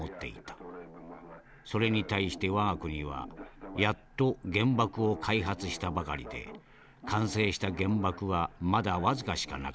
それに対して我が国はやっと原爆を開発したばかりで完成した原爆はまだ僅かしかなかった。